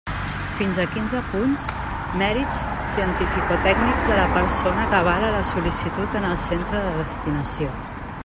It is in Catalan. Fins a quinze punts: mèrits cientificotècnics de la persona que avala la sol·licitud en el centre de destinació.